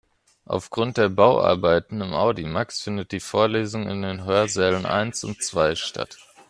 Aufgrund der Bauarbeiten im Audimax findet die Vorlesung in den Hörsälen eins und zwei statt.